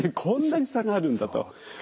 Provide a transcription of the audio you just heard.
こんなに差があるんだと。